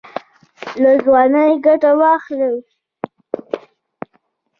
له ځوانۍ ګټه واخلئ